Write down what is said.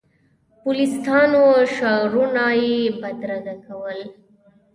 پوپلیستانو شعارونه یې بدرګه کول.